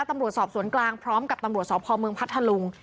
ตำรวจสอบสวนกลางพร้อมกับตำรวจสพเมืองพัทธลุง